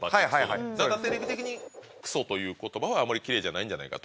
テレビ的に「クソ」という言葉はキレイじゃないんじゃないかと。